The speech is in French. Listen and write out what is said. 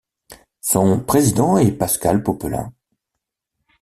Son président est Pascal Popelin.